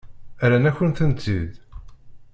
Rran-akent-tent-id.